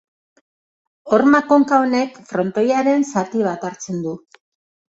Horma-konka honek frontoiaren zati bat hartzen du.